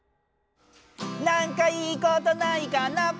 「なんかいいことないかな」